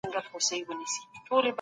صبر د بري کلۍ ده